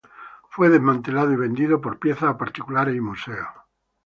Fue desmantelado y vendido por piezas a particulares y museos.